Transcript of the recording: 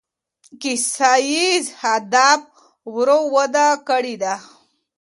کیسه ییز ادب ورو وده کړې ده.